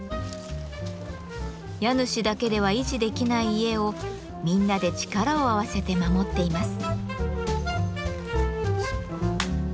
家主だけでは維持できない家をみんなで力を合わせて守っています。